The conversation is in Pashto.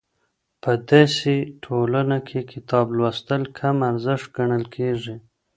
په دسې ټولنه کې کتاب لوستل کم ارزښت ګڼل کېږي.